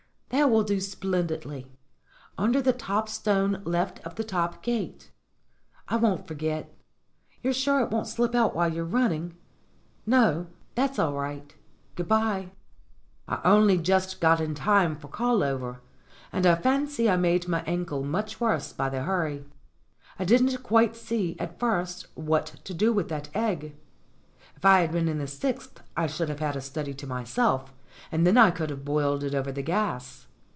"That will do splendidly. Under the top stone left of the top gate. I won't forget. You're sure it won't slip out while you're running? No? That's all right. Good bye." I only just got in time for call over, and I fancy I made my ankle much worse by the hurry. I didn't quite see, at first, what to do with that egg. If I had been in the sixth I should have had a study to myself, and then I could have boiled it over the gas.